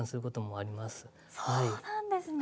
そうなんですね。